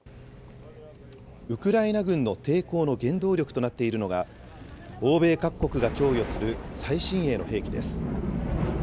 ウクライナ軍の抵抗の原動力となっているのが、欧米各国が供与する最新鋭の兵器です。